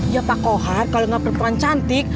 ya pak kohar kalau nggak berperan cantik